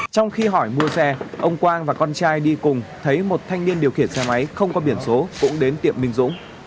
trong khi hỏi mua xe ông quang và con trai đi cùng thấy một thanh niên điều khiển xe máy không có biển số cũng đến tiệm minh dũng